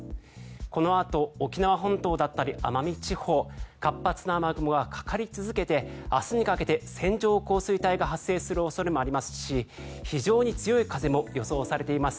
このあと沖縄本島だったり奄美地方活発な雨雲がかかり続けて明日にかけて線状降水帯が発生する恐れもありますし非常に強い風も予想されています。